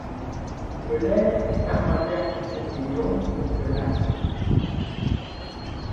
Que l’Être est Armagnac ou Bourguignon, que l’astre